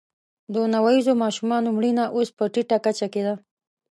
د نوزیږو ماشومانو مړینه اوس په ټیټه کچه کې ده